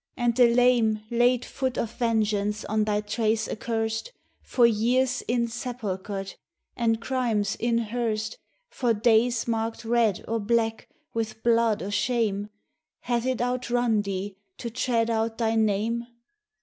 and the lame Late foot of vengeance on thy trace accurst For years insepulchred and crimes inhearsed, For days marked red or black with blood or shame, Hath it outrun thee to tread out thy name?